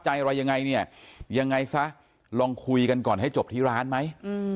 อะไรยังไงเนี่ยยังไงซะลองคุยกันก่อนให้จบที่ร้านไหม